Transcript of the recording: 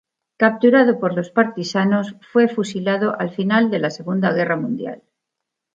Capturado por los partisanos, fue fusilado al final de la Segunda Guerra Mundial.